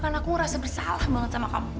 karena aku ngerasa bersalah banget sama kamu